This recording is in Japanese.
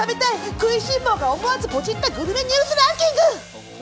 食いしん坊が思わずポチッたニュースランキング。